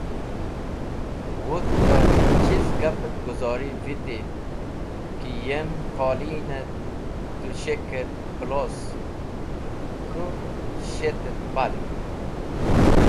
Wudhg ta’r chiz gap et guzorviti ki yem qolin et tushek et plos kũ shet et parg?